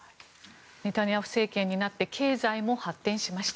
ネタニヤフ政権になって経済も発展しました。